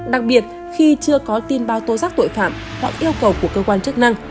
đặc biệt khi chưa có tin bao tố giác tội phạm hoặc yêu cầu của cơ quan chức năng